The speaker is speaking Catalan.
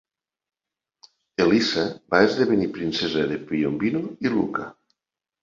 Elisa va esdevenir Princesa de Piombino i Lucca.